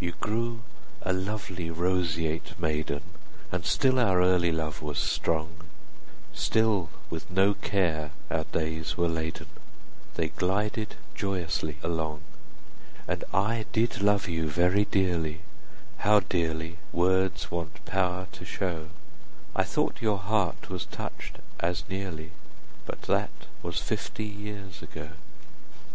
You grew a lovely roseate maiden, And still our early love was strong; 10 Still with no care our days were laden, They glided joyously along; And I did love you very dearly, How dearly words want power to show; I thought your heart was touch'd as nearly; 15 But that was fifty years ago.